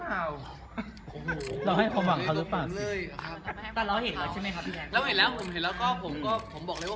ผมก็ไม่รู้ว่าเขาช็อปอะไร